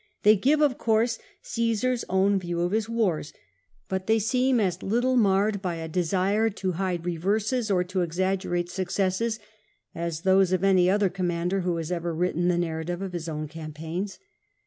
They give, of course, Cassar's own view of his wars, but they seem as little marred by a desire to hide reverses or to exaggerate successes as those of any other commander who has ever written the narrative of his own campaigns.